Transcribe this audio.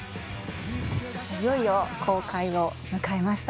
いよいよ公開を迎えました。